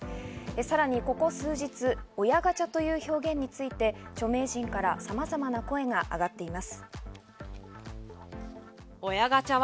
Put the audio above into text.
さらにここ数日、親ガチャという表現について著名人からさまざまな声が上がっています。